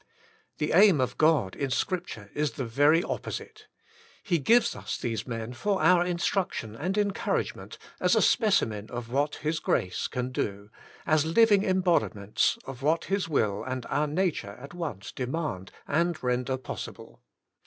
The aim of God in Scripture is the very opposite. He gives us these men for our instruction and encouragement, as a specimen of what His grace can do, as living embodiments of what His will and our nature at once demand and render possible.